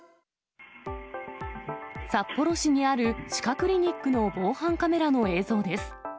札幌市にある歯科クリニックの防犯カメラの映像です。